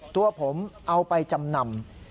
ตัวผมเอาไปจำนำ